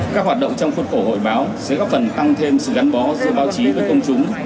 các hoạt động trong khuôn khổ hội báo sẽ góp phần tăng thêm sự gắn bó giữa báo chí với công chúng